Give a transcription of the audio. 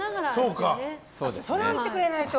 それを言ってくれないと。